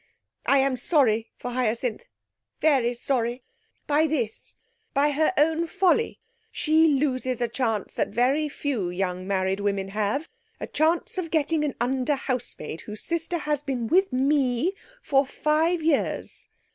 I am sorry for Hyacinth, very sorry. By this, by her own folly, she loses a chance that very few young married women have a chance of getting an under housemaid, whose sister has been with me for five years!